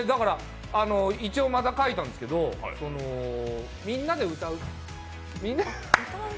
一応、また書いたんですけどみんなで歌う。